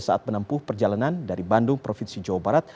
saat menempuh perjalanan dari bandung provinsi jawa barat